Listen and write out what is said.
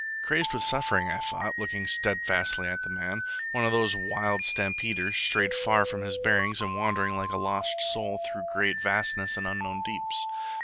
Crazed with suffering, I thought, looking steadfastly at the man one of those wild stampeders, strayed far from his bearings and wandering like a lost soul through great vastnesses and unknown deeps.